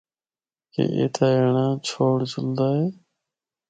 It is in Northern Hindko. کہ اِتھا اینڑا چُھوڑ جُلدا اے۔